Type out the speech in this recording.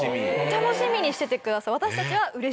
楽しみにしててください。